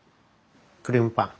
クリームパン。